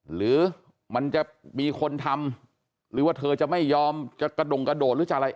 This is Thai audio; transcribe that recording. หรือมันจะมีคนทำหรือว่าเธอจะไม่ยอมจะกระดงกระโดดหรือจะอะไร